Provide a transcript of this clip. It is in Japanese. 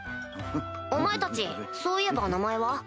お前たちそういえば名前は？